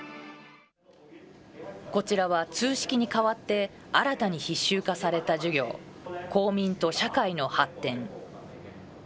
こちらは、通識に代わって新たに必修化された授業、公民と社会の発展。